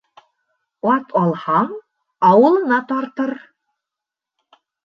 Ат алһаң, ауылына тартыр.